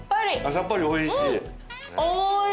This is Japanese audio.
さっぱりおいしい？